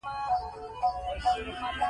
او په لاس کې نیولي